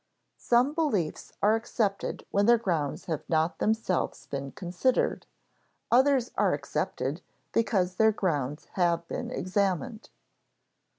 Some beliefs are accepted when their grounds have not themselves been considered, others are accepted because their grounds have been examined.